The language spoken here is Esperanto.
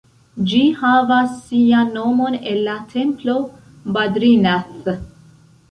Ĝi havas sian nomon el la templo Badrinath.